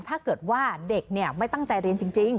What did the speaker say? ถ้าเกิดว่าเด็กไม่ตั้งใจเรียนจริง